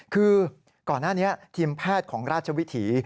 คือก่อนหน้านี้ทีมแพทย์ของราชวิถี